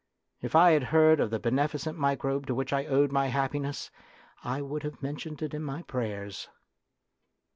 If 1 had heard of the beneficent microbe to which I owed my happiness, I would have mentioned it in my prayers.